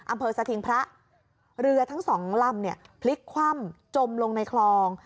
อำเภอสถิงพระเรือทั้งสองลำเนี่ยพลิกคว่ำจมลงในคลอง